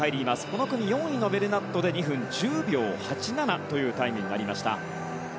この組４位のベルナットで２分１０秒８７というタイムになりました。